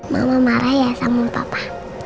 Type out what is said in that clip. mau marah ya sama papa